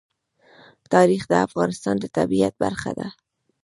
تاریخ د افغانستان د طبیعت برخه ده.